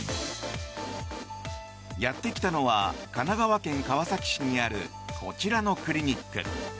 やってきたのは神奈川県川崎市にあるこちらのクリニック。